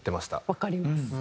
わかります。